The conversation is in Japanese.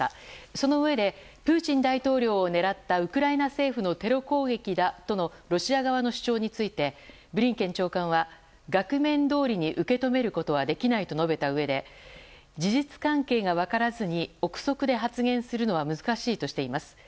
そのうえでプーチン大統領を狙ったウクライナ政府のテロ攻撃だとのロシア側の主張についてブリンケン長官は額面通りに受け止めることはできないと述べたうえで事実関係が分からずに憶測で発言するのは難しいとしています。